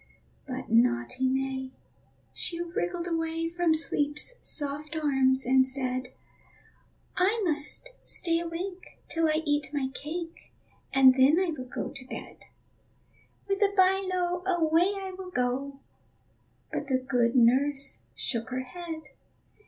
But naughty May, she wriggled away From Sleep's soft arms, and said: "I must stay awake till I eat my cake, And then I will go to bed; With a by lo, away I will go." But the good nurse shook her head.